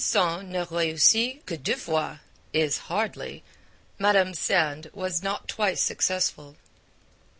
Sand ne reussit que deux fois' is hardly 'Madame Sand was not twice successful.'